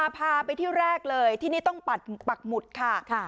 พาไปที่แรกเลยที่นี่ต้องปักหมุดค่ะ